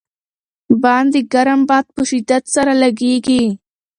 باندې ګرم باد په شدت سره لګېږي.